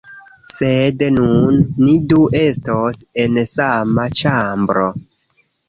Sed nun, ni du estos en sama ĉambro...